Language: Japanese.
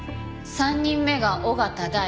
３人目が緒方大。